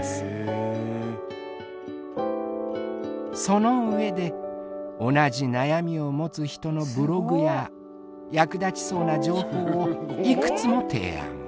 その上で同じ悩みを持つ人のブログや役立ちそうな情報をいくつも提案。